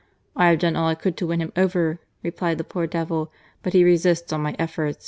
" I have done all I could to win him over," replied the poor devil, but he resists all my efforts.